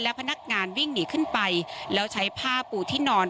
พนักงานวิ่งหนีขึ้นไปแล้วใช้ผ้าปูที่นอน